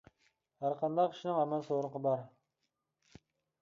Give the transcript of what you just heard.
ھەر قانداق ئىشنىڭ ھامان سورىقى بار.